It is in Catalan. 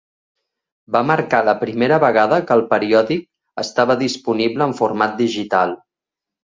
Va marcar la primera vegada que el periòdic estava disponible en format digital.